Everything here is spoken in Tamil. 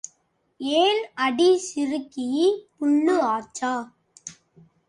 ஏன் அடி சிறுக்கி, புல்லு ஆச்சா?